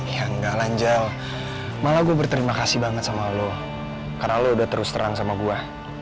ya nggak lanjut malah gue berterima kasih banget sama lo karena lo udah terus terang sama gue